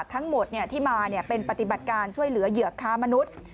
ทั้งหมดที่มาเป็นปฏิบัติการช่วยเหลือเหยื่อค้ามนุษย์